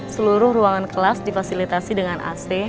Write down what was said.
seluruh ruangan kelas difasilitasi dengan ac